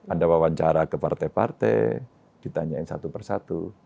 anda wawancara ke partai partai ditanyain satu persatu